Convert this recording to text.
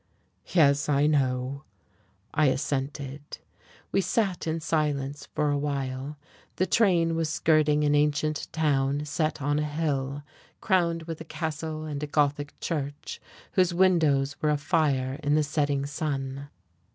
"Yes, I know," I assented. We sat in silence for a while. The train was skirting an ancient town set on a hill, crowned with a castle and a Gothic church whose windows were afire in the setting sun.